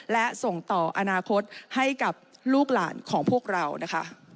และส่งต่ออนาคตให้กับลูกหลานของพวกเรานะคะ